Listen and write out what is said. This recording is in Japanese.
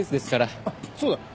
あっそうだ。